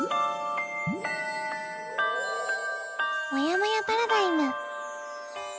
「もやもやパラダイム」。